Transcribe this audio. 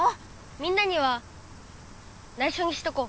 みんなにはないしょにしとこう。